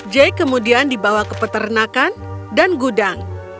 jake kemudian dibawa ke peternakan dan gudang